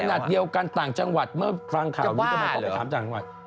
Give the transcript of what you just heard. ขนาดเดียวกันต่างจังหวัดเมื่อฟังข่าวนี้ทำไมเขาไปถามต่างจังหวัด